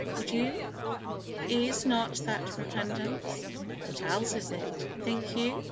Would you? Is not that repentance? What else is it, think you?